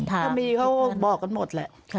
ถ้ามีเขาบอกกันหมดแหละ